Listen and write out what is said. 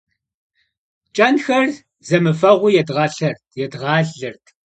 КӀэнхэр зэмыфэгъуу едгъалэрт.